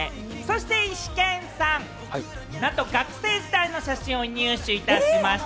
そしてイシケンさん、なんと学生時代の写真を入手いたしました。